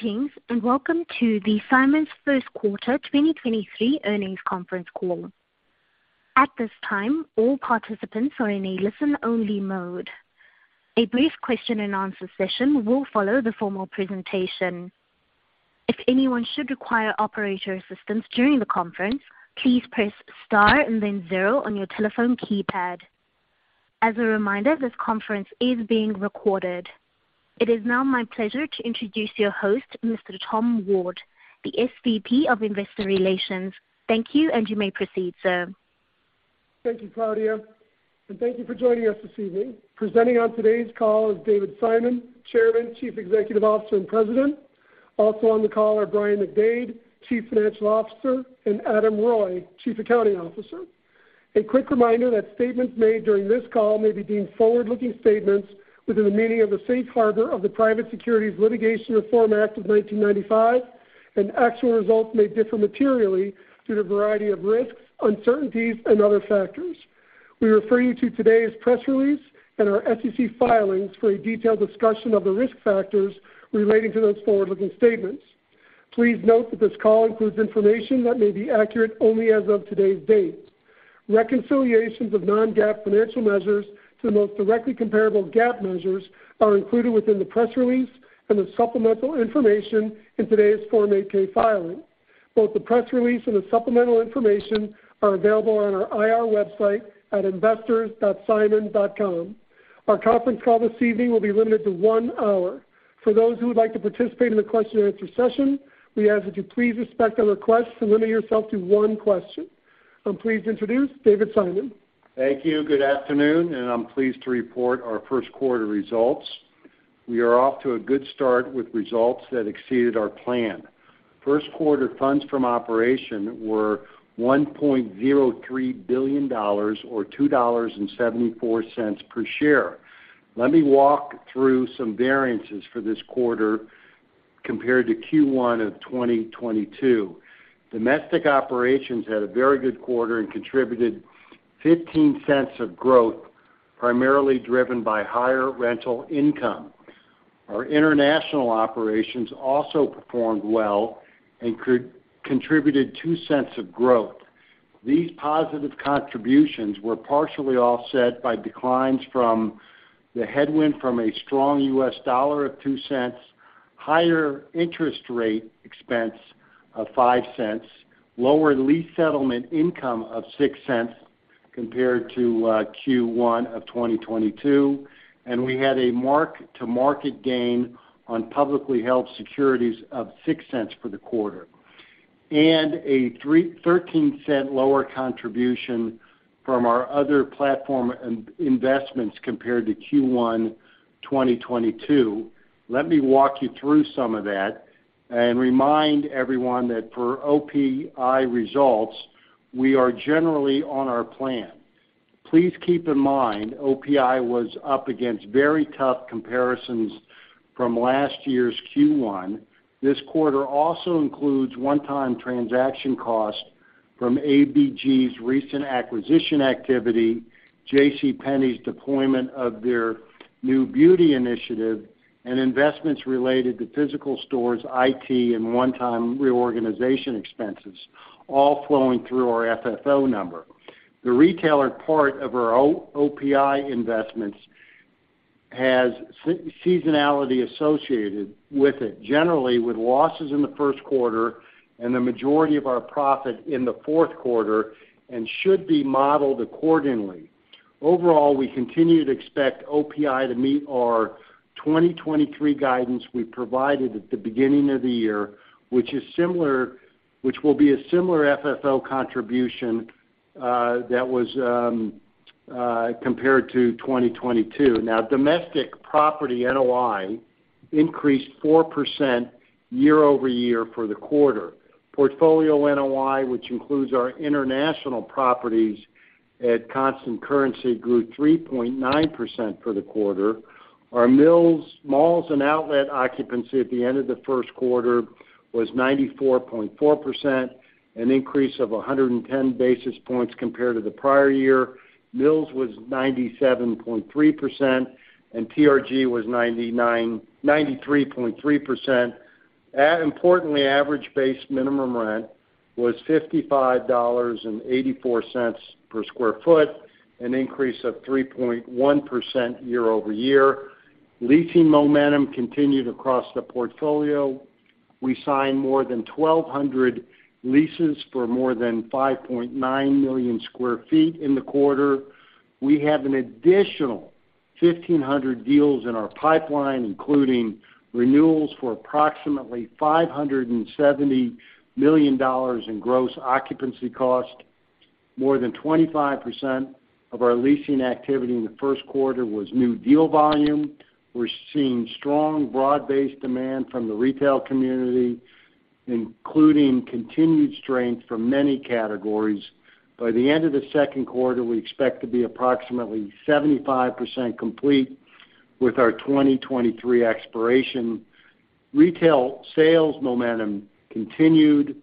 Greetings. Welcome to the Simon's 1st quarter 2023 earnings conference call. At this time, all participants are in a listen-only mode. A brief question-and-answer session will follow the formal presentation. If anyone should require operator assistance during the conference, please press Star and then zero on your telephone keypad. A reminder, this conference is being recorded. It is now my pleasure to introduce your host, Mr. Tom Ward, the SVP of Investor Relations. Thank you. You may proceed, sir. Thank you, Claudia, and thank you for joining us this evening. Presenting on today's call is David Simon, Chairman, Chief Executive Officer, and President. Also on the call are Brian McDade, Chief Financial Officer, and Adam Reuille, Chief Accounting Officer. A quick reminder that statements made during this call may be deemed forward-looking statements within the meaning of the Safe Harbor of the Private Securities Litigation Reform Act of 1995, and actual results may differ materially due to a variety of risks, uncertainties, and other factors. We refer you to today's press release and our SEC filings for a detailed discussion of the risk factors relating to those forward-looking statements. Please note that this call includes information that may be accurate only as of today's date. Reconciliations of non-GAAP financial measures to the most directly comparable GAAP measures are included within the press release and the supplemental information in today's Form 8-K filing. Both the press release and the supplemental information are available on our IR website at investors.simon.com. Our conference call this evening will be limited to 1 hour. For those who would like to participate in the question-and-answer session, we ask that you please respect our request to limit yourself to 1 question. I'm pleased to introduce David Simon. Thank you. Good afternoon. I'm pleased to report our first quarter results. We are off to a good start with results that exceeded our plan. First quarter FFO were $1.03 billion or $2.74 per share. Let me walk through some variances for this quarter compared to Q1 of 2022. Domestic operations had a very good quarter and contributed $0.15 of growth, primarily driven by higher rental income. Our international operations also performed well and contributed $0.02 of growth. These positive contributions were partially offset by declines from the headwind from a strong US dollar of $0.02, higher interest rate expense of $0.05, lower lease settlement income of $0.06 compared to Q1 of 2022. We had a mark-to-market gain on publicly held securities of $0.06 for the quarter, and a $0.13 lower contribution from our other platform investments compared to Q1 2022. Let me walk you through some of that and remind everyone that for OPI results, we are generally on our plan. Please keep in mind OPI was up against very tough comparisons from last year's Q1. This quarter also includes one-time transaction costs from ABG's recent acquisition activity, JCPenney's deployment of their new beauty initiative, and investments related to physical stores, IT, and one-time reorganization expenses, all flowing through our FFO number. The retailer part of our OPI investments has seasonality associated with it, generally with losses in the first quarter and the majority of our profit in the fourth quarter, and should be modeled accordingly. Overall, we continue to expect OPI to meet our 2023 guidance we provided at the beginning of the year, which will be a similar FFO contribution that was compared to 2022. Domestic property NOI increased 4% year-over-year for the quarter. Portfolio NOI, which includes our international properties at constant currency, grew 3.9% for the quarter. Our mills, malls and outlet occupancy at the end of the first quarter was 94.4%, an increase of 110 basis points compared to the prior year. Mills was 97.3%, and TRG was 93.3%. Importantly, average base minimum rent was $55.84 per square foot, an increase of 3.1% year-over-year. Leasing momentum continued across the portfolio. We signed more than 1,200 leases for more than 5.9 million sq ft in the quarter. We have an additional 1,500 deals in our pipeline, including renewals for approximately $570 million in gross occupancy cost. More than 25% of our leasing activity in the first quarter was new deal volume. We're seeing strong broad-based demand from the retail community, including continued strength from many categories. By the end of the second quarter, we expect to be approximately 75% complete with our 2023 expiration. Retail sales momentum continued.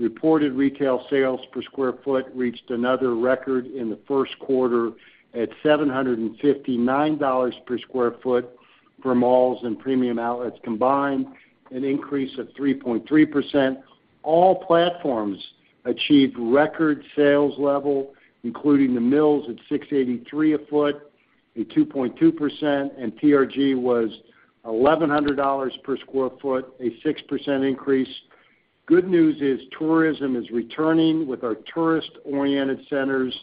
Reported retail sales per sq ft reached another record in the first quarter at $759 per sq ft for malls and premium outlets combined, an increase of 3.3%. All platforms achieved record sales level, including The Mills at $683 a foot, a 2.2%, and TRG was $1,100 per square foot, a 6% increase. Good news is tourism is returning with our tourist-oriented centers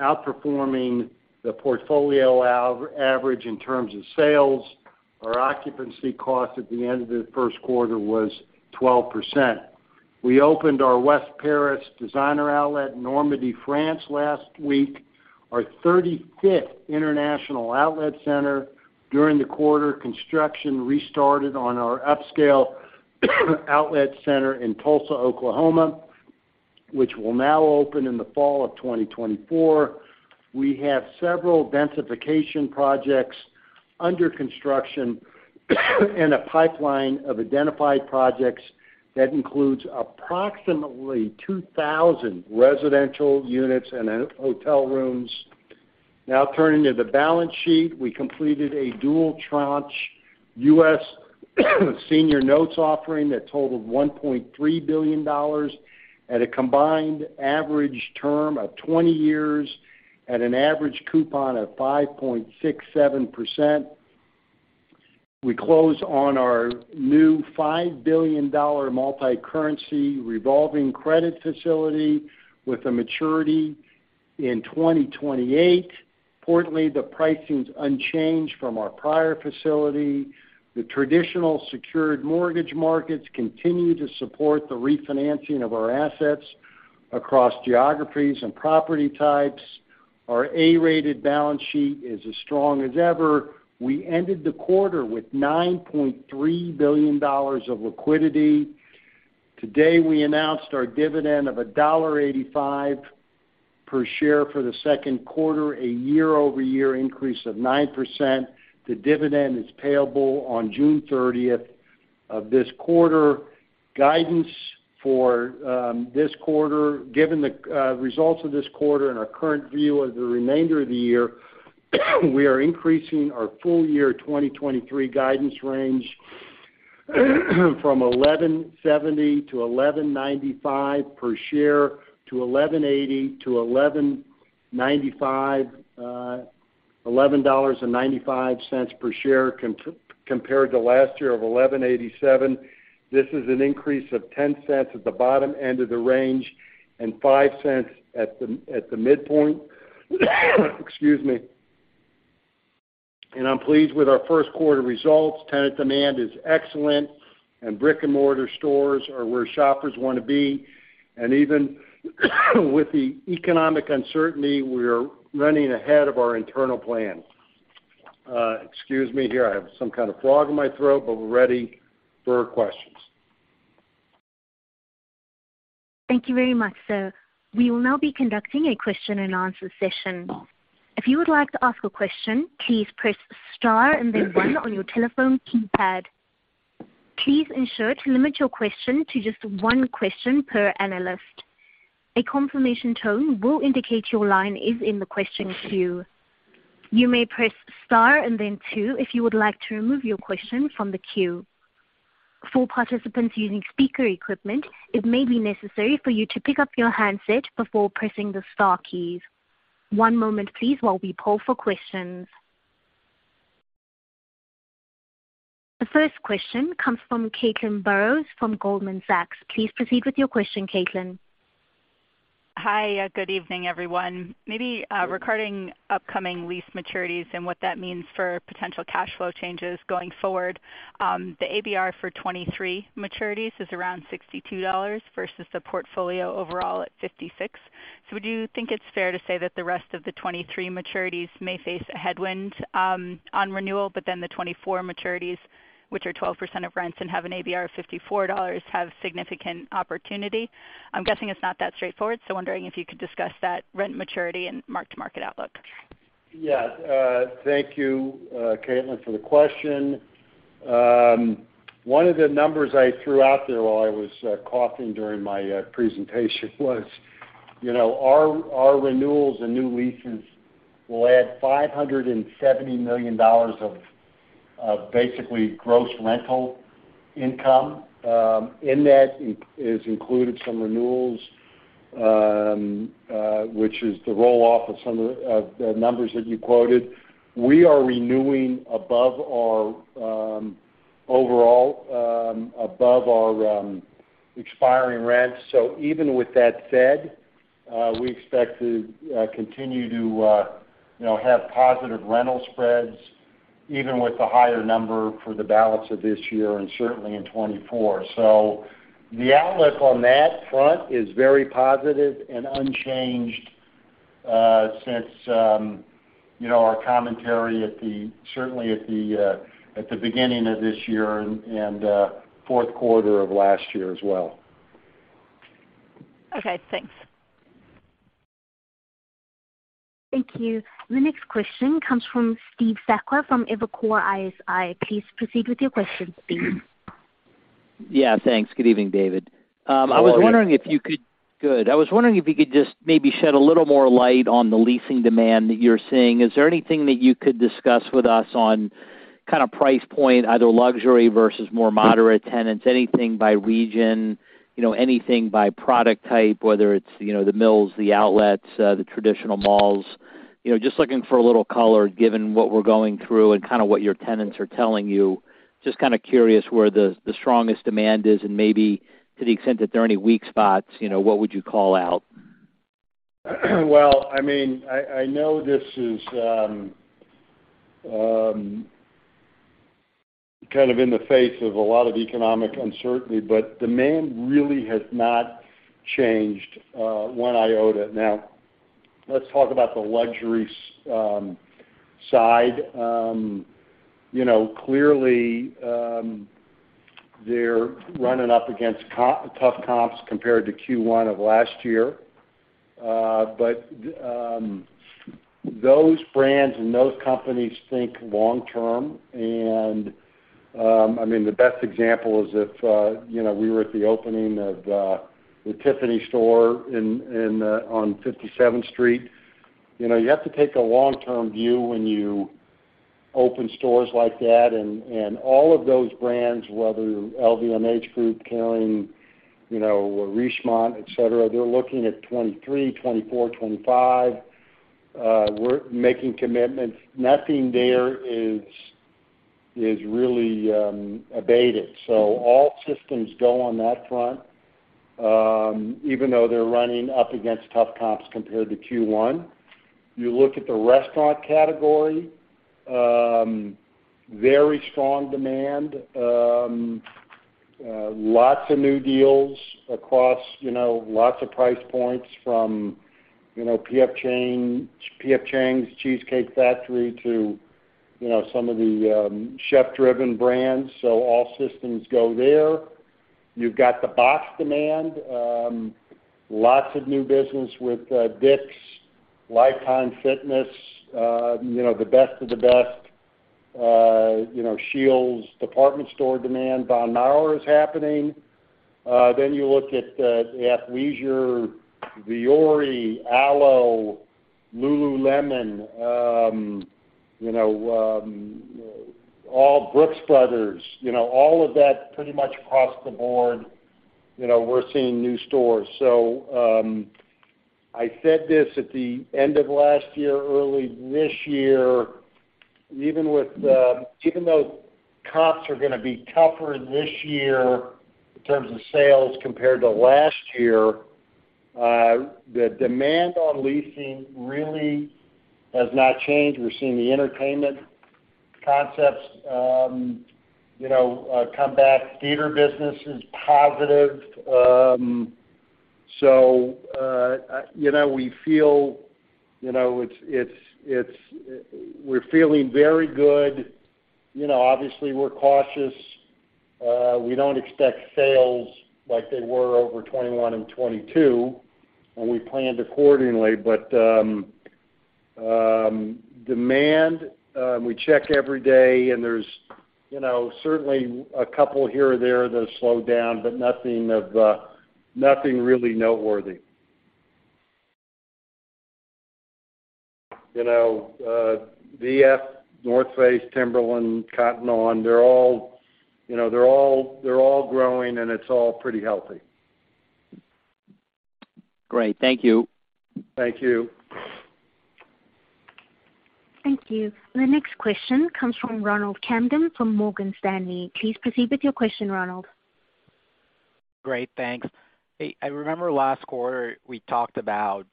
outperforming the portfolio average in terms of sales. Our occupancy cost at the end of the first quarter was 12%. We opened our West Paris designer outlet in Normandy, France last week, our 35th international outlet center. During the quarter, construction restarted on our upscale outlet center in Tulsa, Oklahoma, which will now open in the fall of 2024. We have several densification projects under construction and a pipeline of identified projects that includes approximately 2,000 residential units and then hotel rooms. Now turning to the balance sheet. We completed a dual tranche U.S. senior notes offering that totaled $1.3 billion at a combined average term of 20 years at an average coupon of 5.67%. We closed on our new $5 billion multicurrency revolving credit facility with a maturity in 2028. Importantly, the pricing's unchanged from our prior facility. The traditional secured mortgage markets continue to support the refinancing of our assets across geographies and property types. Our A-rated balance sheet is as strong as ever. We ended the quarter with $9.3 billion of liquidity. Today, we announced our dividend of $1.85 per share for the second quarter, a year-over-year increase of 9%. The dividend is payable on June thirtieth of this quarter. Guidance for this quarter, given the results of this quarter and our current view of the remainder of the year, we are increasing our full year 2023 guidance range from $11.70-$11.95 per share to $11.80-$11.95 per share compared to last year of $11.87. This is an increase of $0.10 at the bottom end of the range and $0.05 at the midpoint. Excuse me. I'm pleased with our first quarter results. Tenant demand is excellent, and brick-and-mortar stores are where shoppers wanna be. Even with the economic uncertainty, we are running ahead of our internal plan. Excuse me. Here, I have some kind of flog in my throat, but we're ready for questions. Thank you very much, sir. We will now be conducting a question-and-answer session. If you would like to ask a question, please press star and then one on your telephone keypad. Please ensure to limit your question to just one question per analyst. A confirmation tone will indicate your line is in the question queue. You may press star and then two if you would like to remove your question from the queue. For participants using speaker equipment, it may be necessary for you to pick up your handset before pressing the star keys. One moment please while we poll for questions. The first question comes from Caitlin Burrows from Goldman Sachs. Please proceed with your question, Caitlin. Hi. Good evening, everyone. Maybe, regarding upcoming lease maturities and what that means for potential cash flow changes going forward, the ABR for 2023 maturities is around $62 versus the portfolio overall at $56. Would you think it's fair to say that the rest of the 2023 maturities may face a headwind on renewal, the 2024 maturities, which are 12% of rents and have an ABR of $54, have significant opportunity? I'm guessing it's not that straightforward, wondering if you could discuss that rent maturity and mark-to-market outlook. Yeah. Thank you, Caitlin, for the question. One of the numbers I threw out there while I was coughing during my presentation was you know, our renewals and new leases will add $570 million of basically gross rental income. In that is included some renewals, which is the roll-off of some of the numbers that you quoted. We are renewing above our overall above our expiring rents. Even with that said, we expect to continue to you know, have positive rental spreads even with the higher number for the balance of this year and certainly in 2024. The outlook on that front is very positive and unchanged, since, you know, our commentary certainly at the beginning of this year and fourth quarter of last year as well. Okay, thanks. Thank you. The next question comes from Steve Sakwa from Evercore ISI. Please proceed with your question, Steve. Yeah, thanks. Good evening, David. How are you? I was wondering if you could just maybe shed a little more light on the leasing demand that you're seeing. Is there anything that you could discuss with us on kind of price point, either luxury versus more moderate tenants, anything by region, you know, anything by product type, whether it's, you know, The Mills, the outlets, the traditional malls? You know, just looking for a little color given what we're going through and kinda what your tenants are telling you. Just kinda curious where the strongest demand is and maybe to the extent that there are any weak spots, you know, what would you call out? Well, I mean, I know this is kind of in the face of a lot of economic uncertainty, but demand really has not changed one iota. Let's talk about the luxury side. You know, clearly, they're running up against tough comps compared to Q1 of last year. Those brands and those companies think long term. I mean, the best example is if, you know, we were at the opening of the Tiffany store in, on 57th Street. You know, you have to take a long-term view when you open stores like that. And all of those brands, whether LVMH Group, Kering, you know, Richemont, et cetera, they're looking at 2023, 2024, 2025, we're making commitments. Nothing there is really abated. All systems go on that front, even though they're running up against tough comps compared to Q1. You look at the restaurant category, very strong demand, lots of new deals across, you know, lots of price points from, you know, P.F. Chang's, Cheesecake Factory to, you know, some of the chef-driven brands. All systems go there. You've got the box demand, lots of new business with Dick's, Lifetime Fitness, you know, the best of the best, you know, SCHEELS. Department store demand, Von Maur is happening. You look at athleisure, Vuori, Alo, lululemon, you know, Brooks Brothers, you know, all of that pretty much across the board, you know, we're seeing new stores. I said this at the end of last year, early this year, even with even though comps are gonna be tougher this year in terms of sales compared to last year, the demand on leasing really has not changed. We're seeing the entertainment concepts, you know, come back. Theater business is positive. You know, we feel, you know, We're feeling very good. You know, obviously, we're cautious. We don't expect sales like they were over 2021 and 2022, and we planned accordingly. Demand, we check every day, and there's, you know, certainly a couple here or there that have slowed down, but nothing of nothing really noteworthy. You know, VF, North Face, Timberland, Cotton On, they're all, you know, they're all, they're all growing, and it's all pretty healthy. Great. Thank you. Thank you. Thank you. The next question comes from Ronald Kamdem from Morgan Stanley. Please proceed with your question, Ronald. Great. Thanks. Hey, I remember last quarter, we talked about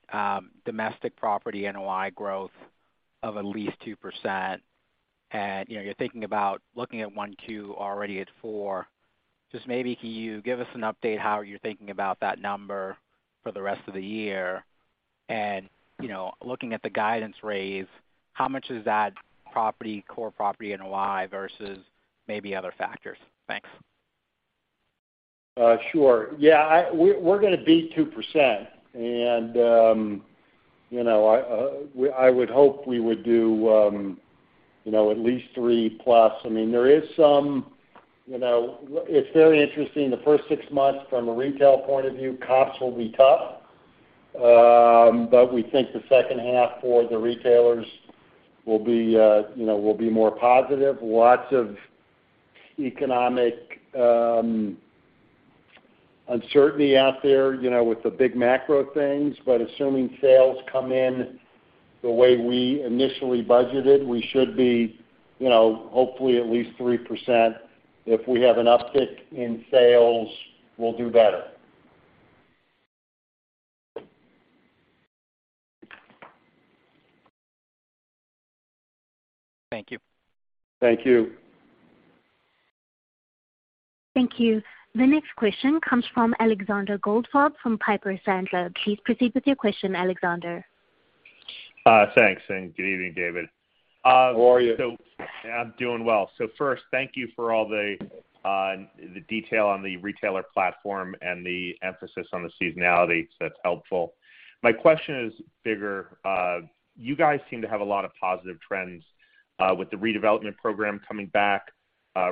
domestic property NOI growth of at least 2%. You know, you're thinking about looking at 1%-2% already at 4%. Just maybe, can you give us an update how you're thinking about that number for the rest of the year? You know, looking at the guidance raise, how much is that property, core property NOI versus maybe other factors? Thanks. Sure. Yeah, we're gonna beat 2%. You know, I would hope we would do, you know, at least 3% plus. I mean, there is some, you know. It's very interesting. The first 6 months from a retail point of view, comps will be tough. We think the second half for the retailers will be, you know, will be more positive. Lots of economic uncertainty out there, you know, with the big macro things. Assuming sales come in the way we initially budgeted, we should be, you know, hopefully at least 3%. If we have an uptick in sales, we'll do better. Thank you. Thank you. Thank you. The next question comes from Alexander Goldfarb from Piper Sandler. Please proceed with your question, Alexander. Thanks, good evening, David. How are you? I'm doing well. First, thank you for all the detail on the retailer platform and the emphasis on the seasonality. That's helpful. My question is bigger. You guys seem to have a lot of positive trends with the redevelopment program coming back,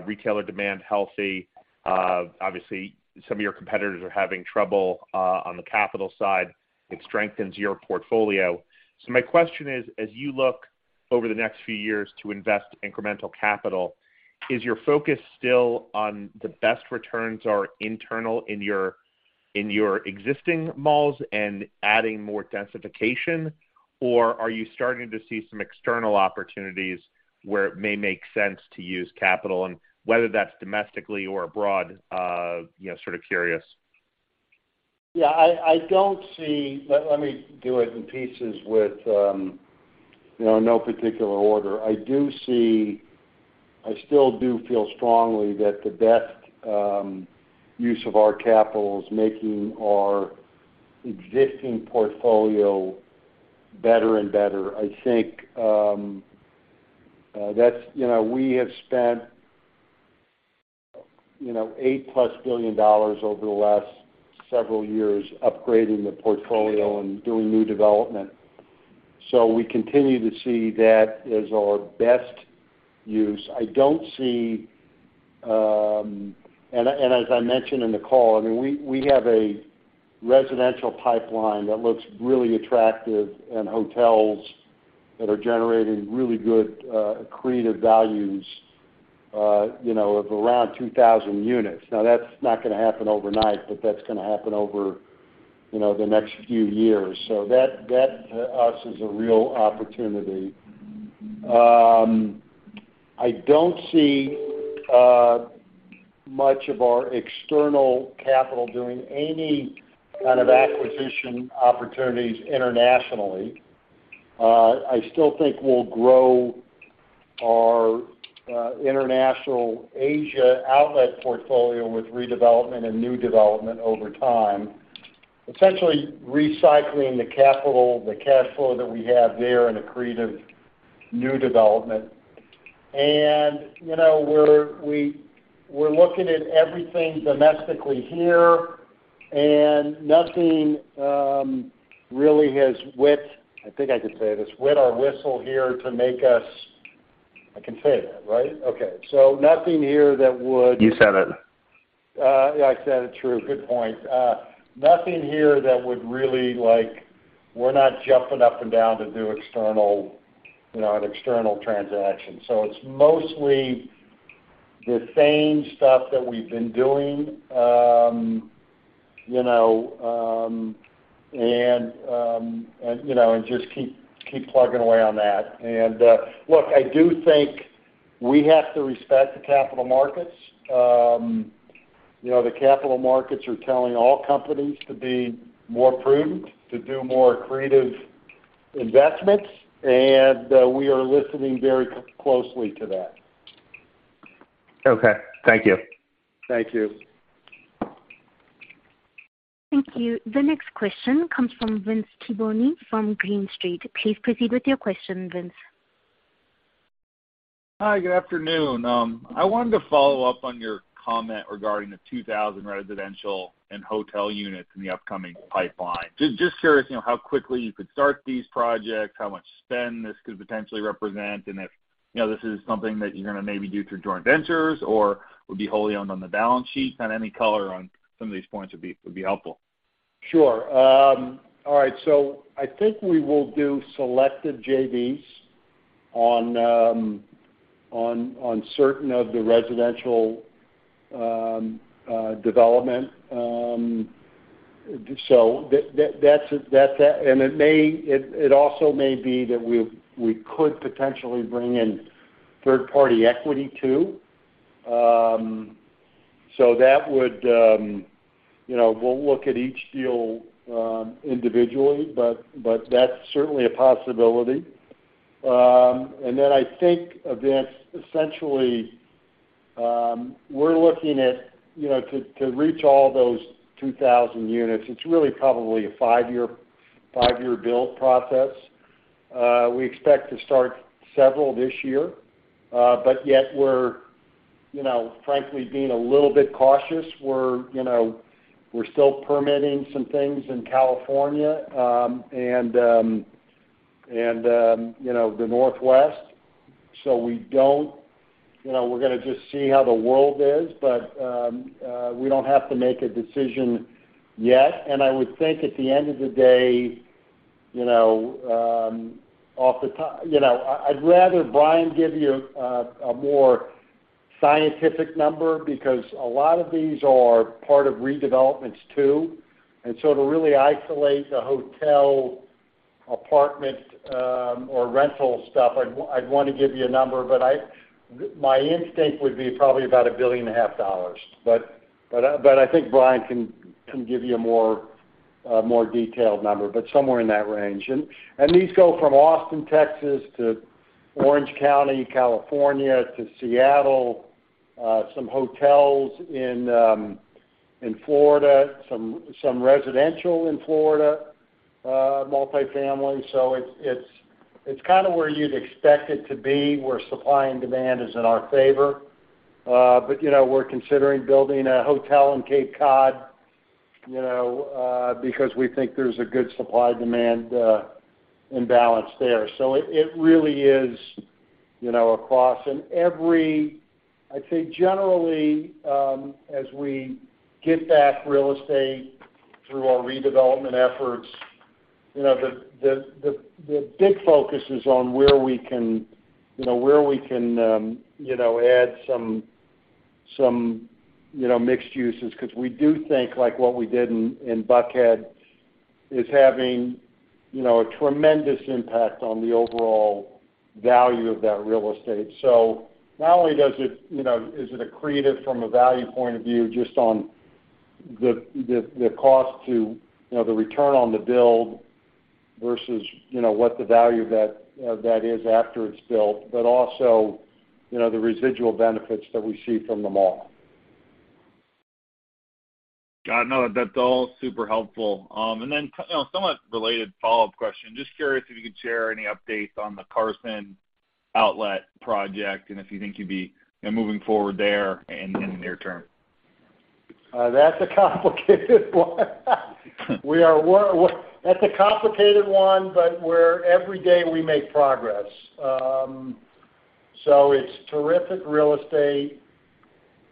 retailer demand healthy. Obviously, some of your competitors are having trouble on the capital side. It strengthens your portfolio. My question is, as you look over the next few years to invest incremental capital, is your focus still on the best returns are internal in your existing malls and adding more densification? Or are you starting to see some external opportunities where it may make sense to use capital? Whether that's domestically or abroad, you know, sort of curious. I don't see. Let me do it in pieces with, you know, no particular order. I still do feel strongly that the best use of our capital is making our existing portfolio better and better. I think that's, you know, we have spent, you know, $8+ billion over the last several years upgrading the portfolio and doing new development. We continue to see that as our best use. I don't see. As I mentioned in the call, I mean, we have a residential pipeline that looks really attractive and hotels that are generating really good accretive values, you know, of around 2,000 units. That's not gonna happen overnight, but that's gonna happen over, you know, the next few years. That to us is a real opportunity. I don't see much of our external capital doing any kind of acquisition opportunities internationally. I still think we'll grow our international Asia outlet portfolio with redevelopment and new development over time, essentially recycling the capital, the cash flow that we have there in accretive new development. You know, we're, we're looking at everything domestically here, and nothing really has wet, I think I could say this, whet our whistle here to make us... I can say that, right? Okay. Nothing here that would- You said it. Yeah, I said it. True. Good point. Nothing here that would really, like, we're not jumping up and down to do external, you know, an external transaction. It's mostly the same stuff that we've been doing, you know, and, you know, and just keep plugging away on that., I Lookdo think we have to respect the capital markets. You know, the capital markets are telling all companies to be more prudent, to do more accretive investments, we are listening very closely to that. Okay. Thank you. Thank you. Thank you. The next question comes from Vince Tibone from Green Street. Please proceed with your question, Vince. Hi, good afternoon. I wanted to follow up on your comment regarding the 2,000 residential and hotel units in the upcoming pipeline. Just curious, you know, how quickly you could start these projects, how much spend this could potentially represent, and if, you know, this is something that you're gonna maybe do through joint ventures or would be wholly owned on the balance sheet. Kind of any color on some of these points would be helpful. Sure. All right. I think we will do selected JVs on certain of the residential development. It also may be that we could potentially bring in third-party equity too. That would, you know, we'll look at each deal individually, but that's certainly a possibility. I think, Vince, essentially, we're looking at, you know, to reach all those 2,000 units, it's really probably a five-year build process. We expect to start several this year, we're, you know, frankly being a little bit cautious. We're, you know, we're still permitting some things in California, and, you know, the Northwest. We don't, you know, we're gonna just see how the world is, but we don't have to make a decision yet. I would think at the end of the day, you know, I'd rather Brian give you a more scientific number because a lot of these are part of redevelopments too. To really isolate the hotel, apartment, or rental stuff, I'd wanna give you a number, but I. My instinct would be probably about a billion and a half dollars. I think Brian can give you a more detailed number, but somewhere in that range. These go from Austin, Texas to Orange County, California to Seattle, some hotels in Florida, some residential in Florida, multifamily. it's kinda where you'd expect it to be, where supply and demand is in our favor. but, you know, we're considering building a hotel in Cape Cod, you know, because we think there's a good supply-demand, imbalance there. it really is, you know, across. In every... I'd say generally, as we get back real estate through our redevelopment efforts, you know, the big focus is on where we can, you know, where we can, you know, add some, you know, mixed uses. 'Cause we do think, like what we did in Buckhead is having, you know, a tremendous impact on the overall value of that real estate. Not only does it, you know, is it accretive from a value point of view, just on the, the cost to, you know, the return on the build versus, you know, what the value of that, of that is after it's built, but also, you know, the residual benefits that we see from the mall. Got another. That's all super helpful. You know, somewhat related follow-up question. Just curious if you could share any updates on the Carson Outlet project, and if you think you'd be, you know, moving forward there in the near term? That's a complicated one. That's a complicated one, but every day, we make progress. It's terrific real estate,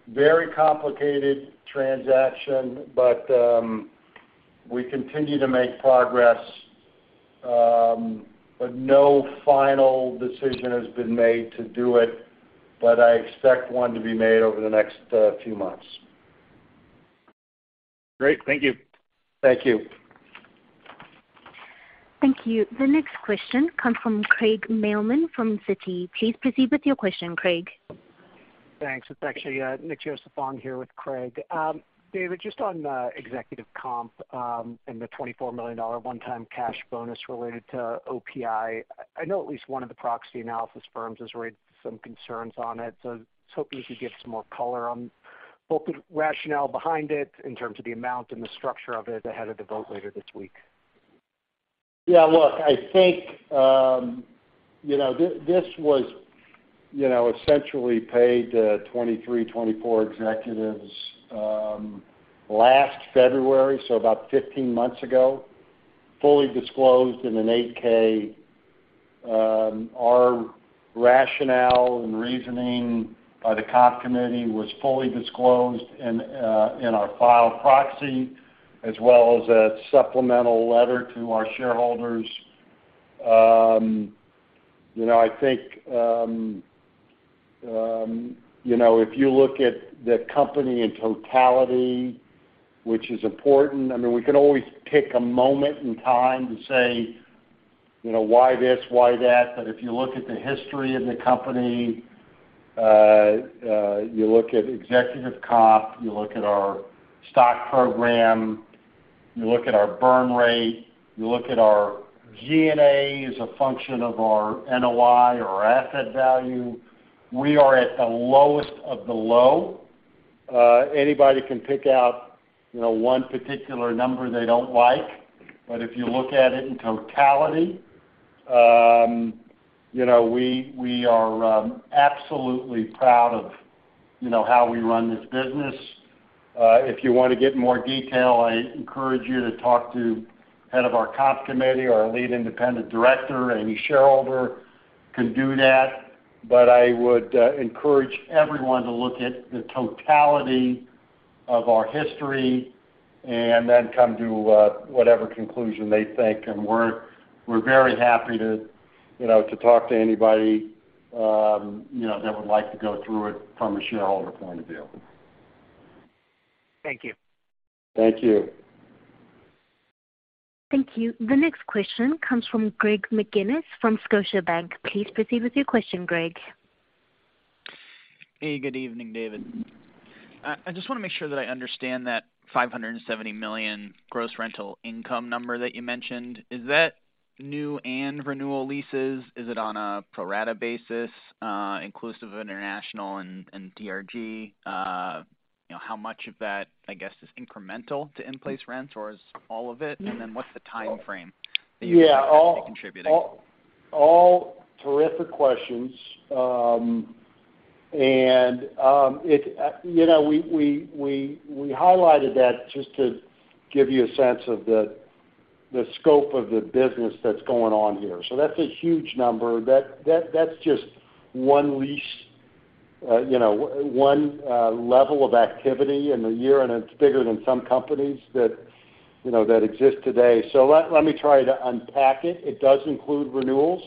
very complicated transaction, but we continue to make progress. No final decision has been made to do it, but I expect one to be made over the next few months. Great. Thank you. Thank you. Thank you. The next question comes from Craig Mailman from Citi. Please proceed with your question, Craig. Thanks. It's actually, Nick Joseph here with Craig. David, just on executive comp and the $24 million one-time cash bonus related to OPI. I know at least one of the proxy analysis firms has raised some concerns on it, so I was hoping you could give some more color on both the rationale behind it in terms of the amount and the structure of it ahead of the vote later this week. Look, I think, you know, this was, you know, essentially paid, 23, 24 executives, last February, so about 15 months ago, fully disclosed in an 8-K. Our rationale and reasoning by the comp committee was fully disclosed in our filed proxy, as well as a supplemental letter to our shareholders. You know, I think, you know, if you look at the company in totality, which is important, I mean, we can always pick a moment in time to say, you know, why this, why that, but if you look at the history of the company, you look at executive comp, you look at our stock program, you look at our burn rate, you look at our G&A as a function of our NOI or asset value, we are at the lowest of the low. Anybody can pick out, you know, one particular number they don't like, but if you look at it in totality, you know, we are absolutely proud of, you know, how we run this business. If you wanna get more detail, I encourage you to talk to head of our comp committee, our lead independent director. Any shareholder can do that. I would encourage everyone to look at the totality of our history and then come to whatever conclusion they think. We're very happy to, you know, to talk to anybody, you know, that would like to go through it from a shareholder point of view. Thank you. Thank you. Thank you. The next question comes from Greg McGinniss from Scotiabank. Please proceed with your question, Greg. Hey, good evening, David. I just wanna make sure that I understand that $570 million gross rental income number that you mentioned. Is that new and renewal leases? Is it on a pro rata basis, inclusive of international and TRG? You know, how much of that, I guess, is incremental to in-place rents, or is all of it? Yeah. What's the timeframe that you expect to be contributing? All terrific questions. We highlighted that just to give you a sense of the scope of the business that's going on here. That's a huge number. That's just one lease, one level of activity in the year, and it's bigger than some companies that exist today. Let me try to unpack it. It does include renewals.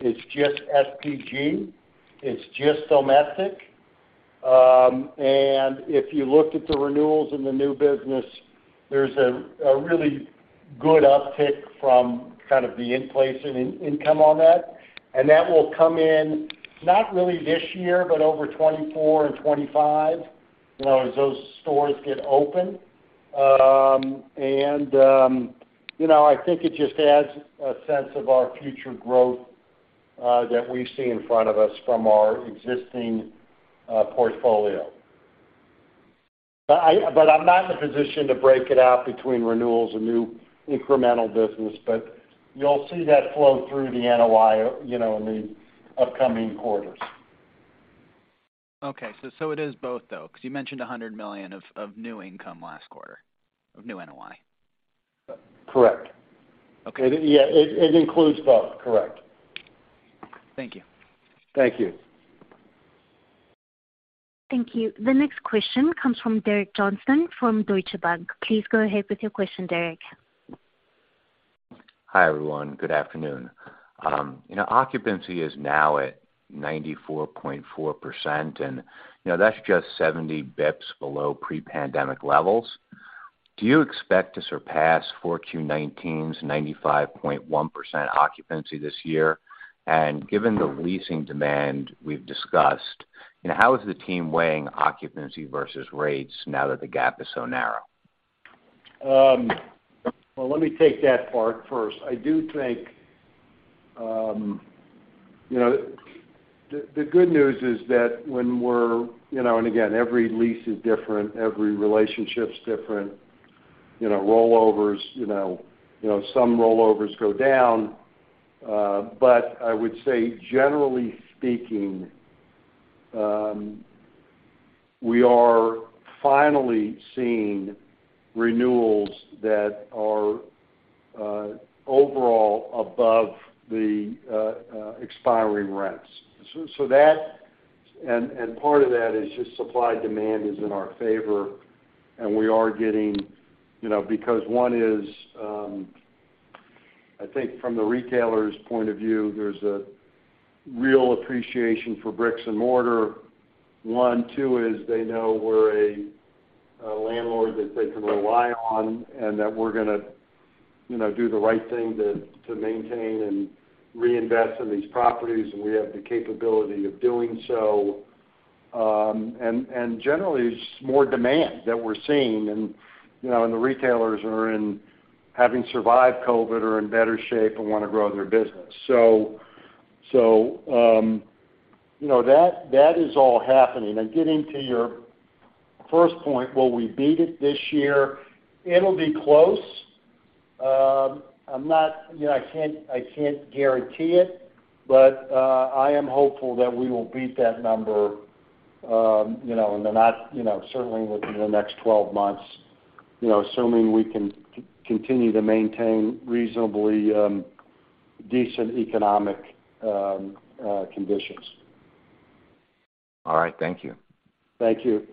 It's just SPG. It's just domestic. If you looked at the renewals in the new business, there's a really good uptick from kind of the in-place in-income on that, and that will come in, not really this year, but over 2024 and 2025, as those stores get open. You know, I think it just adds a sense of our future growth that we see in front of us from our existing portfolio. I'm not in a position to break it out between renewals and new incremental business, but you'll see that flow through the NOI, you know, in the upcoming quarters. Okay. It is both, though, because you mentioned $100 million of new income last quarter, of new NOI. Correct. Okay. Yeah. It includes both. Correct. Thank you. Thank you. Thank you. The next question comes from Derek Johnston from Deutsche Bank. Please go ahead with your question, Derek. Hi, everyone. Good afternoon. You know, occupancy is now at 94.4%, and, you know, that's just 70 basis points below pre-pandemic levels. Do you expect to surpass 4Q19's 95.1% occupancy this year? Given the leasing demand we've discussed, you know, how is the team weighing occupancy versus rates now that the gap is so narrow? Well, let me take that part first. I do think, you know, the good news is that when we're, you know. Again, every lease is different, every relationship's different, you know, rollovers, you know. You know, some rollovers go down. I would say generally speaking, we are finally seeing renewals that are overall above the expiring rents. So that. Part of that is just supply-demand is in our favor, and we are getting, you know, because one is, I think from the retailer's point of view, there's a real appreciation for bricks and mortar, one. Two is they know we're a landlord that they can rely on and that we're gonna, you know, do the right thing to maintain and reinvest in these properties, and we have the capability of doing so. Generally, it's more demand that we're seeing. You know, the retailers having survived COVID, are in better shape and wanna grow their business. You know, that is all happening. Getting to your first point, will we beat it this year? It'll be close. You know, I can't guarantee it, but I am hopeful that we will beat that number, you know, certainly within the next 12 months, you know, assuming we can continue to maintain reasonably decent economic conditions. All right. Thank you. Thank you.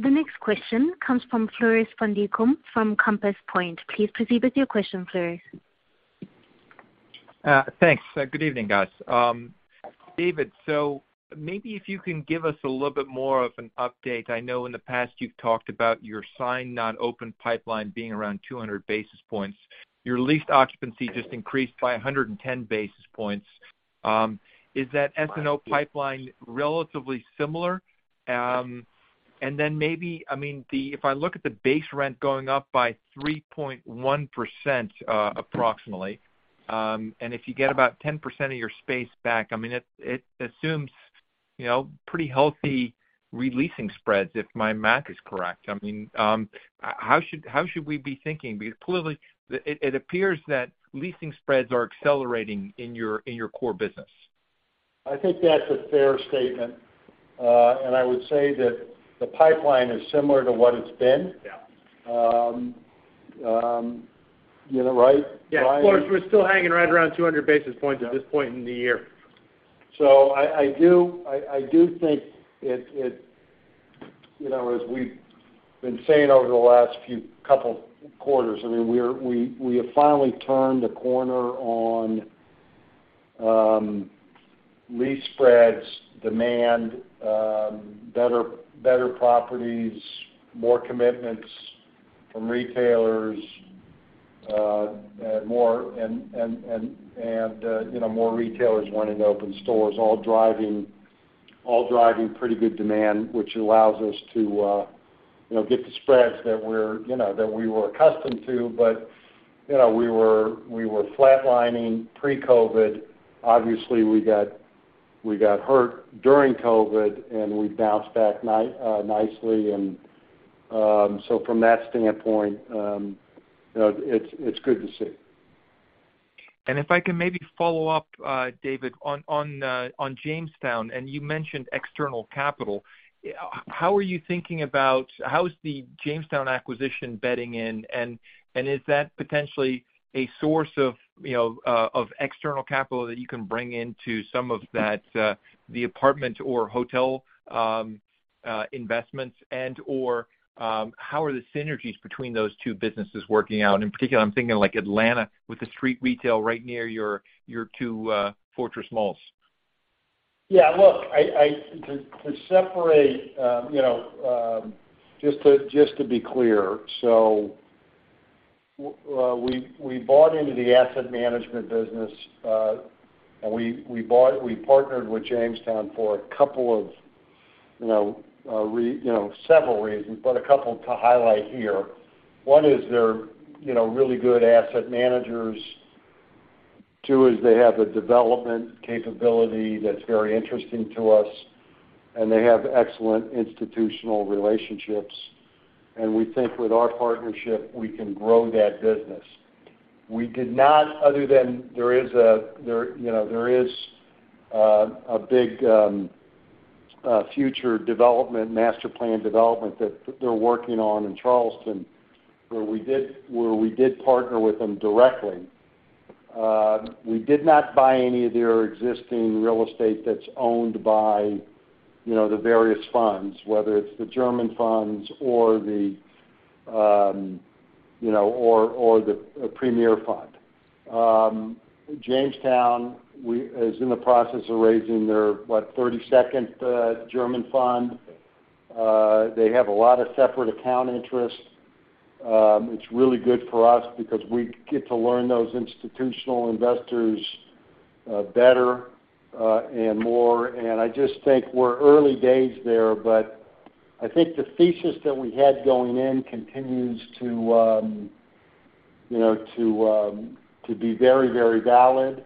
The next question comes from Floris van Dijkum from Compass Point. Please proceed with your question, Floris. Thanks. Good evening, guys. David, maybe if you can give us a little bit more of an update. I know in the past you've talked about your signed not open pipeline being around 200 basis points. Your leased occupancy just increased by 110 basis points. Is that S&O pipeline relatively similar? Then maybe, I mean, if I look at the base rent going up by 3.1%, approximately, and if you get about 10% of your space back, I mean, it assumes, you know, pretty healthy re-leasing spreads if my math is correct. I mean, how should we be thinking? Clearly, it appears that leasing spreads are accelerating in your core business. I think that's a fair statement. I would say that the pipeline is similar to what it's been. Yeah. You know, right. Brian? Yeah. Floris, we're still hanging right around 200 basis points. Yeah... at this point in the year. I do think it, you know, as we've been saying over the last few couple quarters, I mean, we have finally turned the corner on lease spreads, demand, better properties, more commitments from retailers, and more, you know, more retailers wanting to open stores, all driving pretty good demand, which allows us to, you know, get the spreads that we're, you know, that we were accustomed to. You know, we were flatlining pre-COVID. Obviously, we got hurt during COVID, and we bounced back nicely. From that standpoint, you know, it's good to see. If I can maybe follow up, David, on Jamestown, and you mentioned external capital. How is the Jamestown acquisition bedding in? Is that potentially a source of, you know, of external capital that you can bring into some of that, the apartment or hotel investments? How are the synergies between those two businesses working out? In particular, I'm thinking like Atlanta with the street retail right near your two fortress malls. Yeah. Look, I. To separate, you know, just to be clear. We bought into the asset management business, and we partnered with Jamestown for a couple of, you know, several reasons, but a couple to highlight here. One is they're, you know, really good asset managers. Two is they have a development capability that's very interesting to us, and they have excellent institutional relationships. We think with our partnership, we can grow that business. We did not, other than there is a, you know, there is a big future development, master plan development that they're working on in Charleston where we did partner with them directly. We did not buy any of their existing real estate that's owned by, you know, the various funds, whether it's the German funds or the, you know, or the Premier fund. Jamestown is in the process of raising their, what, 32nd German fund. They have a lot of separate account interest. It's really good for us because we get to learn those institutional investors better and more. I just think we're early days there, but I think the thesis that we had going in continues to, you know, to be very, very valid.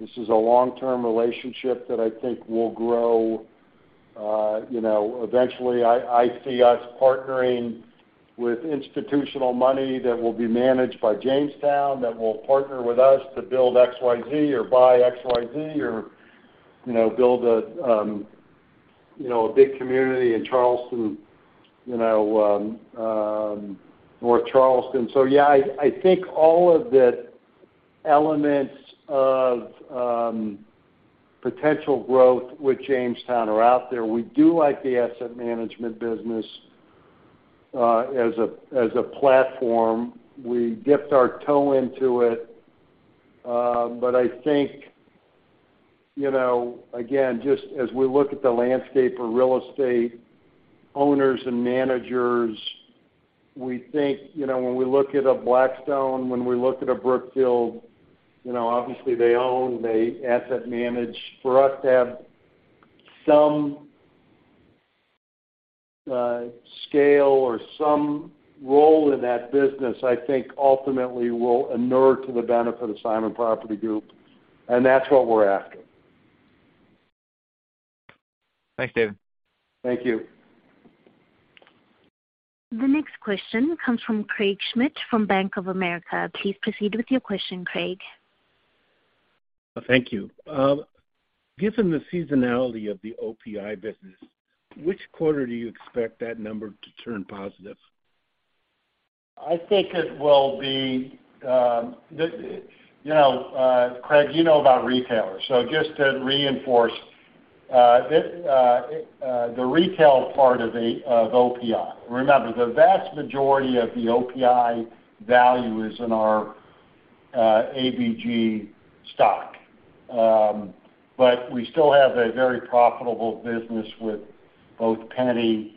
This is a long-term relationship that I think will grow. You know, eventually, I see us partnering with institutional money that will be managed by Jamestown, that will partner with us to build XYZ or buy XYZ or, you know, build a, you know, a big community in Charleston, you know, North Charleston. Yeah, I think all of the elements of potential growth with Jamestown are out there. We do like the asset management business, as a platform. We dipped our toe into it. I think, you know, again, just as we look at the landscape for real estate owners and managers, we think, you know, when we look at a Blackstone, when we look at a Brookfield, you know, obviously, they own, they asset manage. For us to have some scale or some role in that business, I think, ultimately, will inure to the benefit of Simon Property Group. That's what we're after. Thanks, David. Thank you. The next question comes from Craig Schmidt from Bank of America. Please proceed with your question, Craig. Thank you. Given the seasonality of the OPI business, which quarter do you expect that number to turn positive? I think it will be, you know, Craig, you know about retailers, so just to reinforce it, the retail part of OPI. Remember, the vast majority of the OPI value is in our ABG stock. We still have a very profitable business with both JCPenney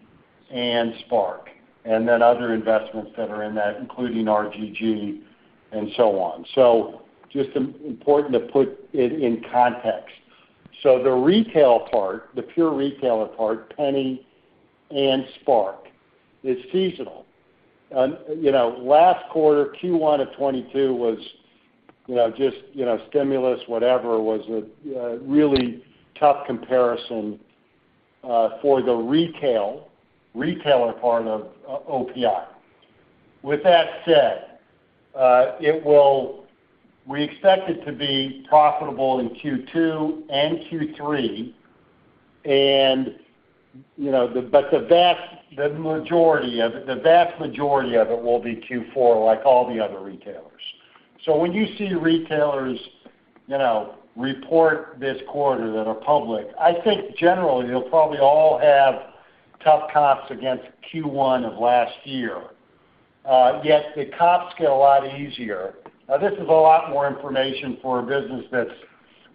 and SPARC, and then other investments that are in that, including RGG, and so on. Just important to put it in context. The retail part, the pure retailer part, JCPenney and SPARC, is seasonal. Last quarter, Q1 of 2022 was just stimulus, whatever, was a really tough comparison for the retailer part of OPI. With that said, we expect it to be profitable in Q2 and Q3. you know, the vast majority of it will be Q4, like all the other retailers. When you see retailers, you know, report this quarter that are public, I think generally you'll probably all have tough comps against Q1 of last year. Yet the comps get a lot easier. This is a lot more information for a business that's,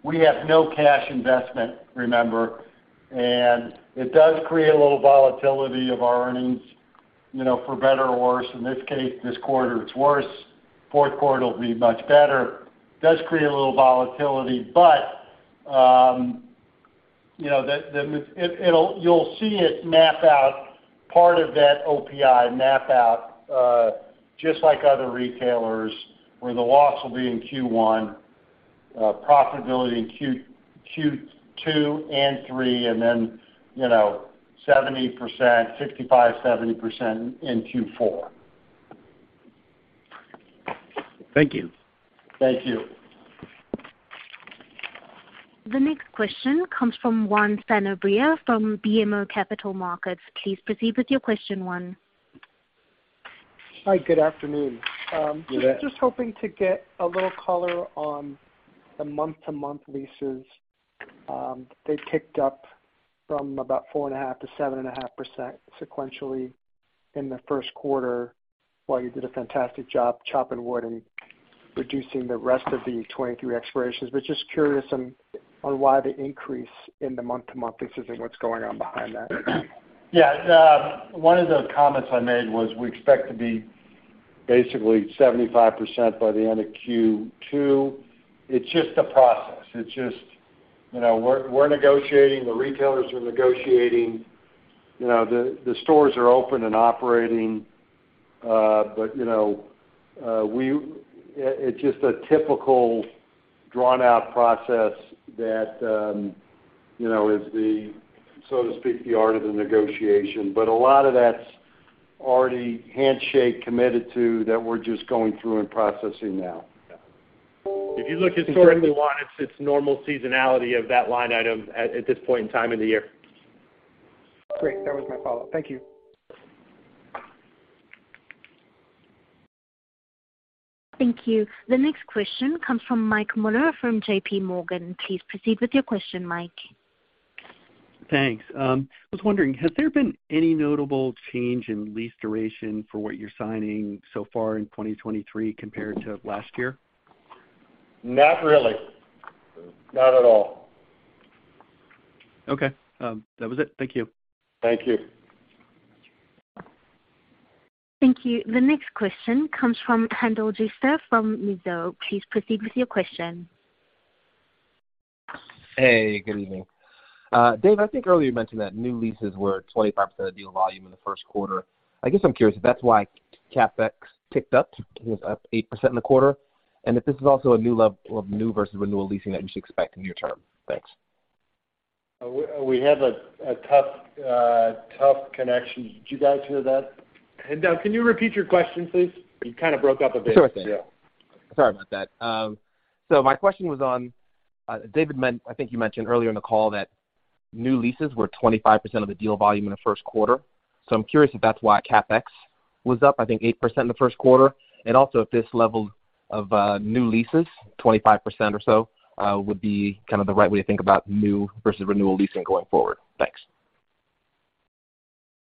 we have no cash investment, remember, and it does create a little volatility of our earnings, you know, for better or worse. In this case, this quarter, it's worse. Fourth quarter will be much better. Does create a little volatility, but, you know, the, it'll, you'll see it map out, part of that OPI map out, just like other retailers, where the loss will be in Q1, profitability in Q2 and 3, and then, you know, 70%, 65%, 70% in Q4. Thank you. Thank you. The next question comes from Juan Sanabria from BMO Capital Markets. Please proceed with your question, Juan. Hi, good afternoon. Good afternoon. Just hoping to get a little color on the month-to-month leases. They've ticked up from about 4.5%-7.5% sequentially in the first quarter, while you did a fantastic job chopping wood and reducing the rest of the 2023 expirations. Just curious on why the increase in the month-to-month leases and what's going on behind that? Yeah. One of the comments I made was we expect to be basically 75% by the end of Q2. It's just a process. It's just, you know, we're negotiating, the retailers are negotiating. You know, the stores are open and operating. But, you know, it's just a typical drawn out process that, you know, is, so to speak, the art of the negotiation. A lot of that's already handshake committed to that we're just going through and processing now. Yeah. If you look historically, Juan, it's normal seasonality of that line item at this point in time in the year. Great. That was my follow-up. Thank you. Thank you. The next question comes from Mike Mueller from JPMorgan. Please proceed with your question, Mike. Thanks. I was wondering, has there been any notable change in lease duration for what you're signing so far in 2023 compared to last year? Not really. Not at all. Okay. That was it. Thank you. Thank you. Thank you. The next question comes from Haendel St. Juste from Mizuho. Please proceed with your question. Hey, good evening. Dave, I think earlier you mentioned that new leases were 25% of deal volume in the first quarter. I guess I'm curious if that's why CapEx ticked up, it was up 8% in the quarter, and if this is also a new level of new versus renewal leasing that you should expect near term. Thanks. We have a tough connection. Did you guys hear that? Kendall, can you repeat your question, please? You kind of broke up a bit. Sure thing. Sorry about that. My question was on, I think you mentioned earlier in the call that new leases were 25% of the deal volume in the first quarter. I'm curious if that's why CapEx was up, I think, 8% in the first quarter, and also if this level of new leases, 25% or so, would be kind of the right way to think about new versus renewal leasing going forward. Thanks.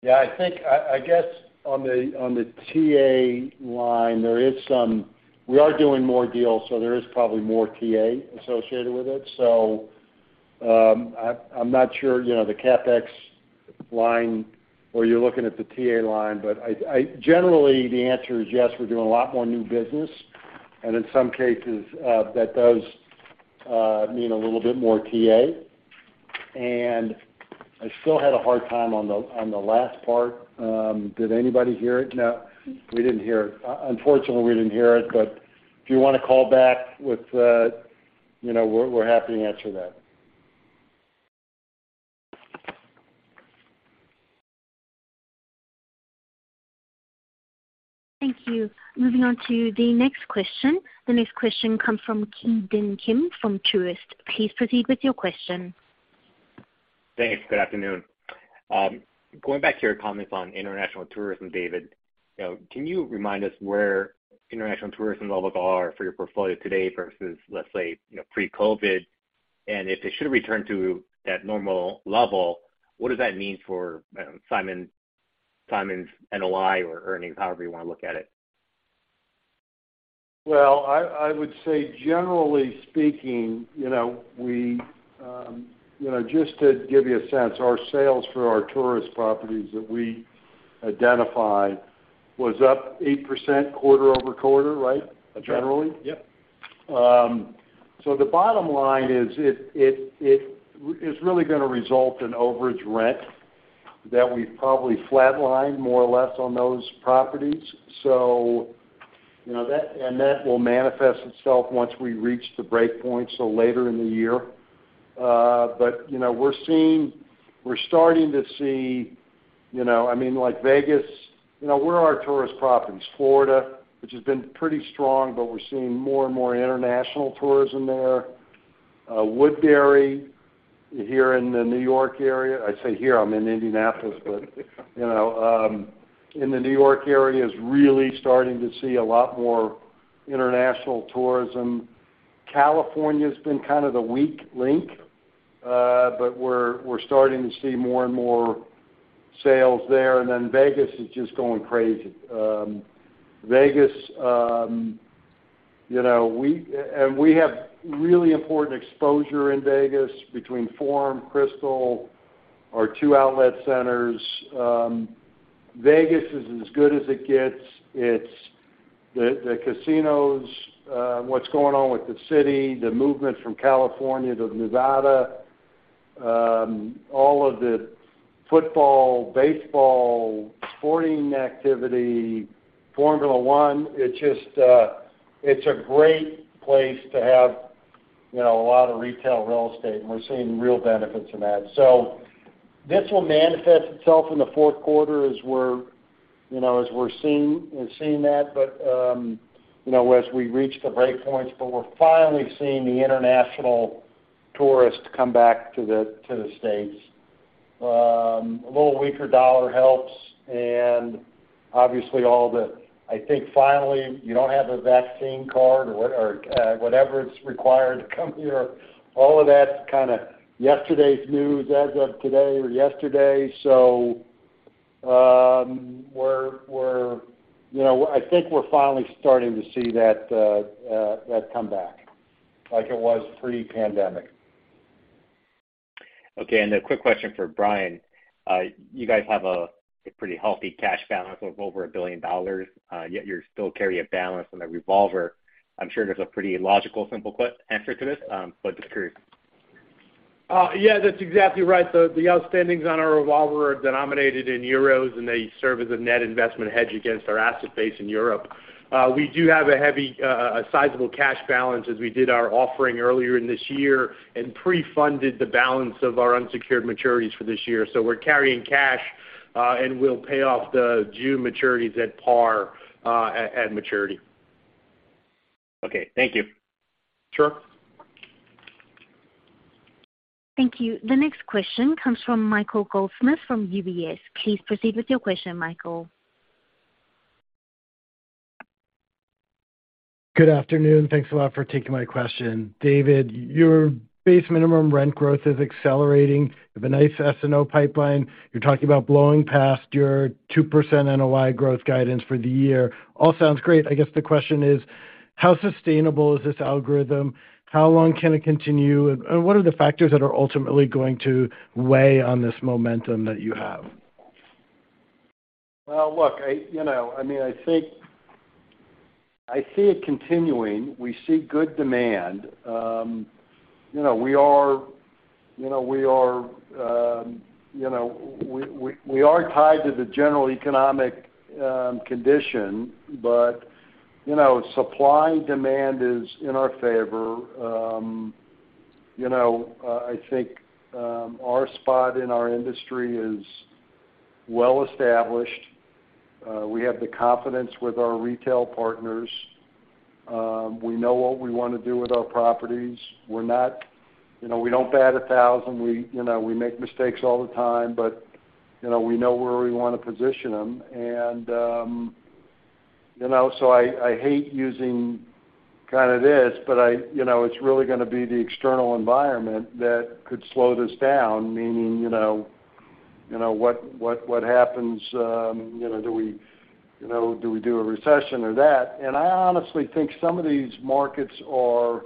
Yeah, I think, I guess on the TA line, there is some. We are doing more deals, so there is probably more TA associated with it. I'm not sure, you know, the CapEx line or you're looking at the TA line. Generally, the answer is yes, we're doing a lot more new business, and in some cases, that does mean a little bit more TA. I still had a hard time on the last part. Did anybody hear it? No. We didn't hear it. Unfortunately, we didn't hear it, but if you wanna call back with, you know, we're happy to answer that. Thank you. Moving on to the next question. The next question comes from Ki Bin Kim from Truist. Please proceed with your question. Thanks. Good afternoon. Going back to your comments on international tourism, David, you know, can you remind us where international tourism levels are for your portfolio today versus, let's say, you know, pre-COVID? And if they should return to that normal level, what does that mean for Simon's NOI or earnings, however you wanna look at it? Well, I would say generally speaking, you know, we, you know, just to give you a sense, our sales for our tourist properties that we identified was up 8% quarter-over-quarter, right? Yeah. Generally. Yep. The bottom line is it is really gonna result in overage rent that we've probably flatlined more or less on those properties. You know, that will manifest itself once we reach the breakpoint later in the year. You know, we're starting to see, you know, I mean, like Vegas, you know, where are our tourist properties? Florida, which has been pretty strong, we're seeing more and more international tourism there. Woodbury here in the New York area, I say here, I'm in Indianapolis, you know, in the New York area is really starting to see a lot more international tourism. California's been kind of the weak link, we're starting to see more and more sales there. Vegas is just going crazy. Vegas, you know, and we have really important exposure in Vegas between Forum, Crystals, our two outlet centers. Vegas is as good as it gets. It's the casinos, what's going on with the city, the movement from California to Nevada, all of the football, baseball, sporting activity, Formula One. It's just, it's a great place to have, you know, a lot of retail real estate, and we're seeing real benefits in that. This will manifest itself in the fourth quarter as we're, you know, as we're seeing that, but, you know, as we reach the breakpoints. We're finally seeing the international tourists come back to the States. A little weaker dollar helps and obviously all the... I think finally you don't have a vaccine card or whatever is required to come here. All of that's kinda yesterday's news as of today or yesterday. We're, you know, I think we're finally starting to see that come back like it was pre-pandemic. Okay. A quick question for Brian. You guys have a pretty healthy cash balance of over $1 billion, yet you still carry a balance on the revolver. I'm sure there's a pretty logical, simple answer to this, just curious. Yeah, that's exactly right. The outstandings on our revolver are denominated in EUR, and they serve as a net investment hedge against our asset base in Europe. We do have a sizable cash balance as we did our offering earlier in this year and pre-funded the balance of our unsecured maturities for this year. We're carrying cash, and we'll pay off the June maturities at par at maturity. Okay. Thank you. Sure. Thank you. The next question comes from Michael Goldsmith from UBS. Please proceed with your question, Michael. Good afternoon. Thanks a lot for taking my question. David, your base minimum rent growth is accelerating. You have a nice S&O pipeline. You're talking about blowing past your 2% NOI growth guidance for the year. All sounds great. I guess the question is: How sustainable is this algorithm? How long can it continue? What are the factors that are ultimately going to weigh on this momentum that you have? Well, look, I, you know, I mean, I see it continuing. We see good demand. You know, we are, you know, we are, you know, we are tied to the general economic condition. You know, supply and demand is in our favor. You know, I think our spot in our industry is well established. We have the confidence with our retail partners. We know what we wanna do with our properties. We're not, you know, we don't bat 1,000. We, you know, we make mistakes all the time, but, you know, we know where we wanna position them. you know, so I hate using kind of this, but you know, it's really gonna be the external environment that could slow this down, meaning, you know, what happens, you know, do we, do we do a recession or that. I honestly think some of these markets are,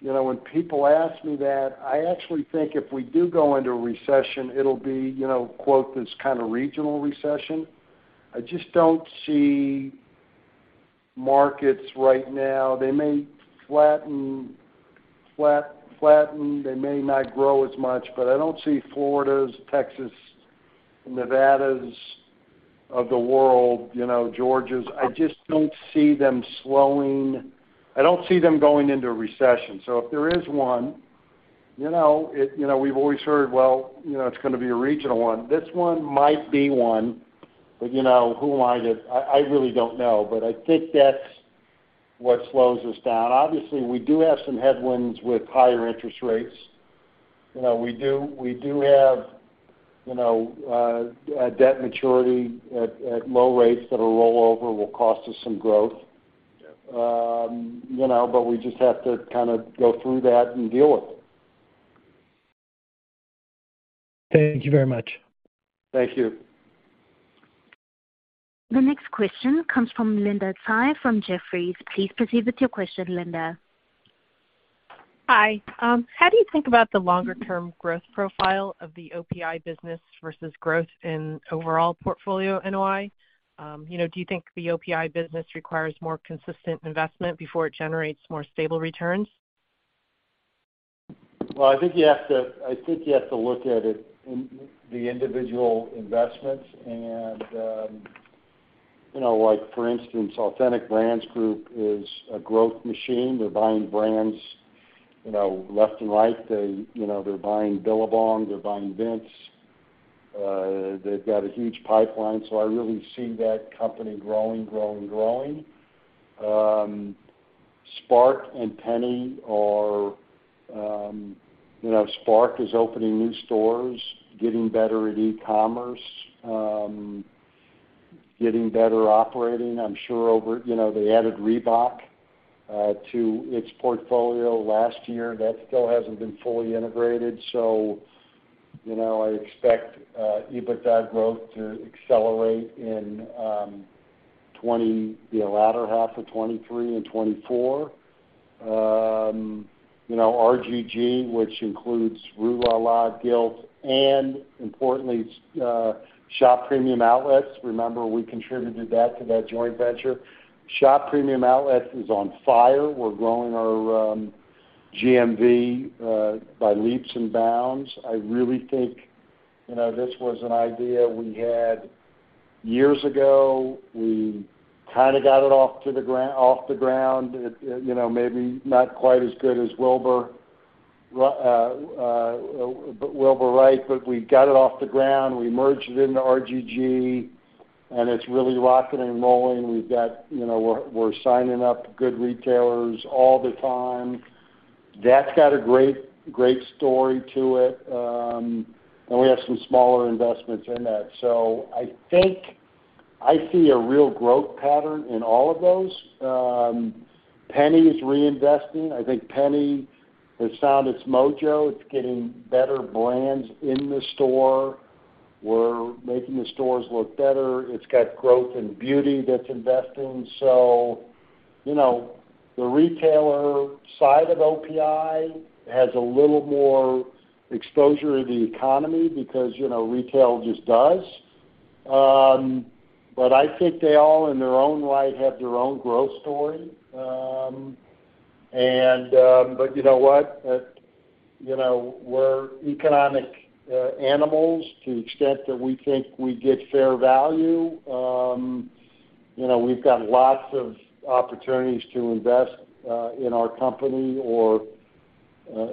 you know, when people ask me that, I actually think if we do go into a recession, it'll be, you know, quote, this kind of regional recession. I just don't see markets right now. They may flatten. They may not grow as much, but I don't see Floridas, Texas, Nevadas of the world, you know, Georgias. I just don't see them slowing. I don't see them going into a recession. If there is one, you know, it, you know, we've always heard, well, you know, it's gonna be a regional one. This one might be one, you know, who am I to... I really don't know. I think that's what slows us down. Obviously, we do have some headwinds with higher interest rates. You know, we do have, you know, a debt maturity at low rates that'll roll over, will cost us some growth. You know, we just have to kind of go through that and deal with it. Thank you very much. Thank you. The next question comes from Linda Tsai from Jefferies. Please proceed with your question, Linda. Hi. How do you think about the longer term growth profile of the OPI business versus growth in overall portfolio NOI? You know, do you think the OPI business requires more consistent investment before it generates more stable returns? Well, I think you have to look at it in the individual investments. You know, like, for instance, Authentic Brands Group is a growth machine. They're buying brands, you know, left and right. You know, they're buying Billabong, they're buying Vince. They've got a huge pipeline, so I really see that company growing. SPARC and JCPenney are, you know, SPARC is opening new stores, getting better at e-commerce, getting better operating. I'm sure over, you know, they added Reebok to its portfolio last year. That still hasn't been fully integrated, so, you know, I expect EBITDA growth to accelerate in the latter half of 2023 and 2024. You know, RGG, which includes Rue La La, Gilt, and importantly, Shop Premium Outlets. Remember we contributed that to that joint venture. Shop Premium Outlets is on fire. We're growing our GMV by leaps and bounds. I really think, you know, this was an idea we had years ago. We kinda got it off the ground. It, you know, maybe not quite as good as Wilbur Wright, but we got it off the ground. We merged it into RGG, and it's really rocking and rolling. We've got, you know, we're signing up good retailers all the time. That's got a great story to it. We have some smaller investments in that. I think I see a real growth pattern in all of those. JCPenney is reinvesting. I think JCPenney has found its mojo. It's getting better brands in the store. We're making the stores look better. It's got growth in beauty that's investing. You know, the retailer side of OPI has a little more exposure to the economy because, you know, retail just does. I think they all in their own right, have their own growth story. You know what? You know, we're economic animals to the extent that we think we get fair value. You know, we've got lots of opportunities to invest in our company or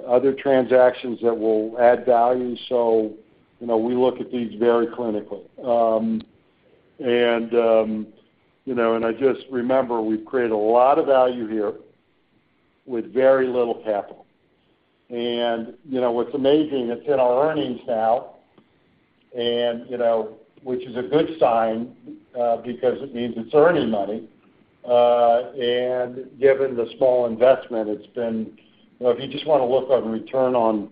other transactions that will add value. You know, we look at these very clinically. You know, and I just remember we've created a lot of value here with very little capital. You know, what's amazing, it's in our earnings now and, you know, which is a good sign, because it means it's earning money. Given the small investment it's been, you know, if you just wanna look on return on,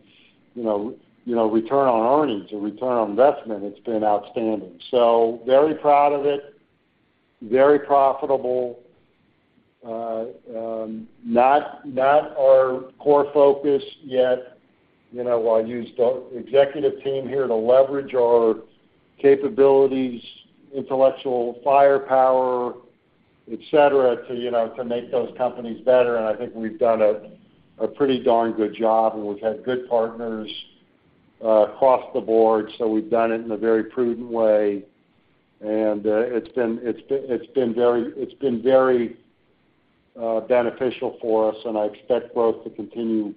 you know, return on earnings or return on investment, it's been outstanding. Very proud of it, very profitable. Not our core focus yet. You know, I'll use the executive team here to leverage our capabilities, intellectual firepower, et cetera, to, you know, to make those companies better, and I think we've done a pretty darn good job, and we've had good partners across the board. We've done it in a very prudent way. It's been very beneficial for us. I expect growth to continue,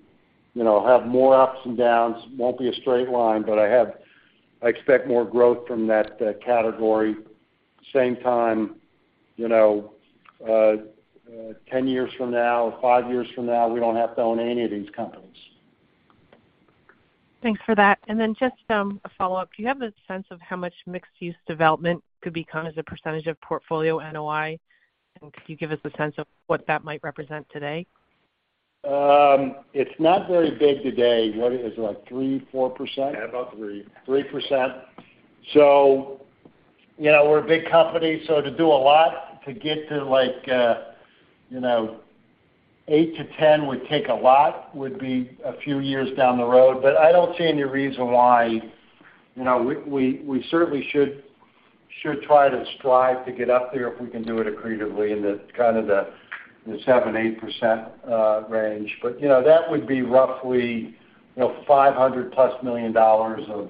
you know, have more ups and downs. Won't be a straight line, but I expect more growth from that category. Same time, you know, 10 years from now, 5 years from now, we don't have to own any of these companies. Thanks for that. Then just, a follow-up. Do you have a sense of how much mixed-use development could become as a percentage of portfolio NOI? Could you give us a sense of what that might represent today? It's not very big today. What is it like 3%, 4%? Yeah, about three. 3%. You know, we're a big company, so to do a lot to get to like, you know, 8-10 would take a lot, would be a few years down the road. I don't see any reason why, you know, we certainly should try to strive to get up there, if we can do it accretively in the kind of the 7%-8% range. You know, that would be roughly, you know, $500+ million of,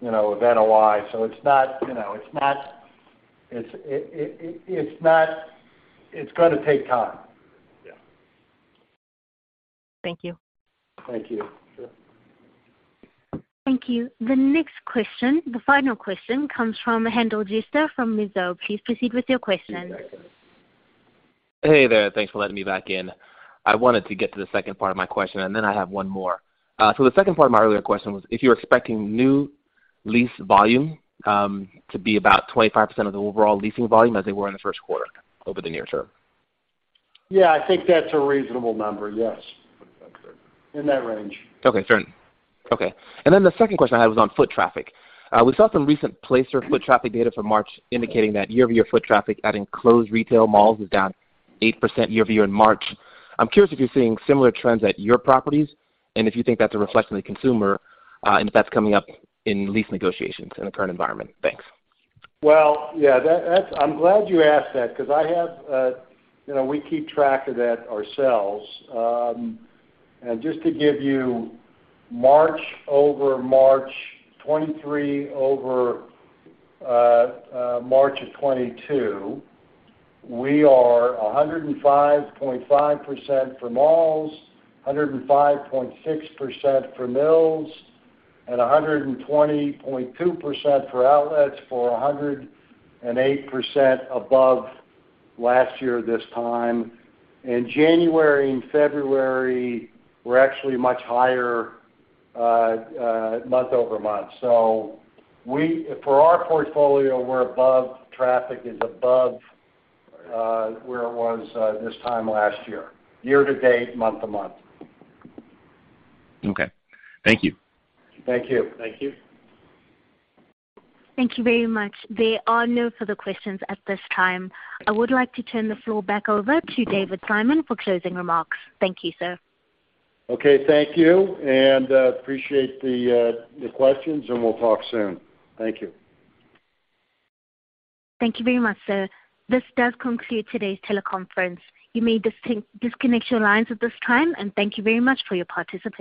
you know, of NOI. It's not, you know, it's not, it's not... It's gonna take time. Yeah. Thank you. Thank you. Sure. Thank you. The next question, the final question, comes from Haendel St. Juste from Mizuho. Please proceed with your question. Hey there. Thanks for letting me back in. I wanted to get to the second part of my question, and then I have one more. The second part of my earlier question was, if you're expecting new lease volume, to be about 25% of the overall leasing volume as they were in the first quarter over the near term. Yeah, I think that's a reasonable number, yes. 25%. In that range. Okay, sure. Okay. The second question I had was on foot traffic. We saw some recent Placer.ai foot traffic data for March indicating that year-over-year foot traffic at enclosed retail malls was down 8% year-over-year in March. I'm curious if you're seeing similar trends at your properties and if you think that's a reflection of the consumer, and if that's coming up in lease negotiations in the current environment. Thanks. Well, yeah, that's I'm glad you asked that because I have, you know, we keep track of that ourselves. Just to give you March-over-March, 2023 over March of 2022, we are 105.5% for malls, 105.6% for mills, and 120.2% for outlets, for 108% above last year this time. In January and February, we're actually much higher month-over-month. We, for our portfolio, we're above traffic, is above where it was this time last year-to-date, month-to-month. Okay. Thank you. Thank you. Thank you. Thank you very much. There are no further questions at this time. I would like to turn the floor back over to David Simon for closing remarks. Thank you, sir. Okay, thank you, and appreciate the questions, and we'll talk soon. Thank you. Thank you very much, sir. This does conclude today's teleconference. You may disconnect your lines at this time, and thank you very much for your participation.